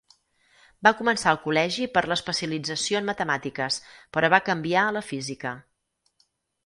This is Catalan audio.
Va començar el col·legi per l'especialització en matemàtiques, però va canviar a la física.